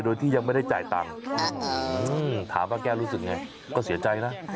โดยที่ยังไม่ได้จ่ายตังค์ถามป้าแก้วรู้สึกไงก็เสียใจนะ